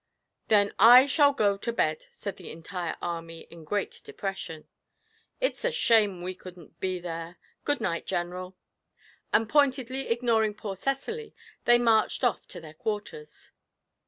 'Then I shall go to bed,' said the entire army, in great depression. 'It is a shame we couldn't be there. Good night, General.' And, pointedly ignoring poor Cecily, they marched off to their quarters.